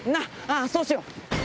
そうしよう！